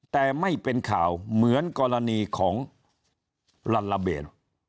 แต่ไม่เป็นข่าวเหมือนกรณีของลัลลาเบล